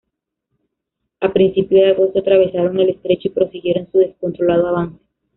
A principio de agosto atravesaron el estrecho y prosiguieron su descontrolado avance.